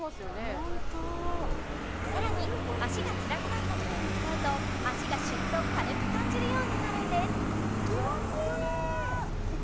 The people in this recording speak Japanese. ホントさらに脚がつらくなったときに使うと脚がシュッと軽く感じるようになるんです